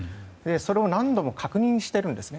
それを何度も確認しているんです。